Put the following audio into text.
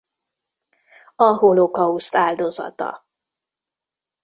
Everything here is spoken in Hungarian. A holokauszt áldozata.